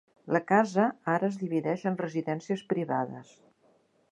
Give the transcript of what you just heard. La casa ara es divideix en residències privades.